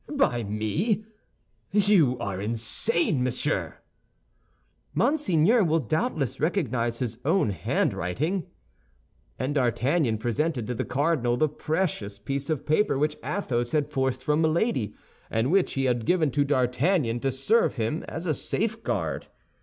"By me? You are insane, monsieur." "Monseigneur will doubtless recognize his own handwriting." And D'Artagnan presented to the cardinal the precious piece of paper which Athos had forced from Milady, and which he had given to D'Artagnan to serve him as a safeguard.